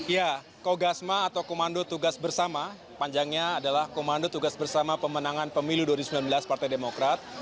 ya kogasma atau komando tugas bersama panjangnya adalah komando tugas bersama pemenangan pemilu dua ribu sembilan belas partai demokrat